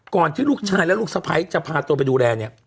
ที่ลูกชายและลูกสะพ้ายจะพาตัวไปดูแลเนี่ย